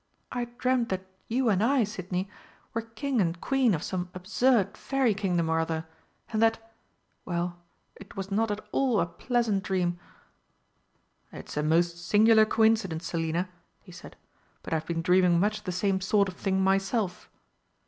I dreamed that you and I, Sidney, were King and Queen of some absurd fairy Kingdom or other, and that well, it was not at all a pleasant dream." "It's a most singular coincidence, Selina," he said, "but I've been dreaming much the same sort of thing myself!"